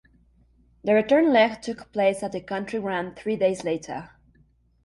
The return leg took place at the County Ground three days later.